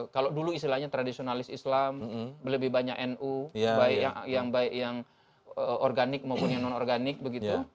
kalau dulu istilahnya tradisionalis islam lebih banyak nu baik yang baik yang organik maupun yang non organik begitu